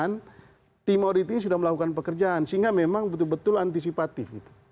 karena tim audit ini sudah melakukan pekerjaan sehingga memang betul betul antisipatif